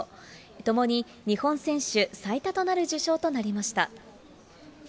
ともに日本選手最多となる受賞となりました。